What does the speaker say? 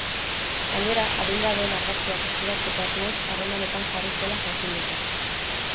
Gainera, adingabeen argazkiak eskuratzeko asmoz harremanetan jarri zela jakin dute.